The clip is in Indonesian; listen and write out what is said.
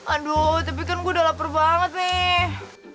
aduh tapi kan gue udah lapar banget nih